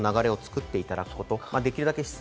空気の流れを作っていただくこと。